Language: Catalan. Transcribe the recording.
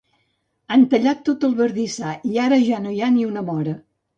Han tallat tot el bardissar i ara ja no hi ha ni una mora